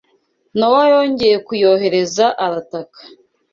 Nowa yongeye kuyohereza arataka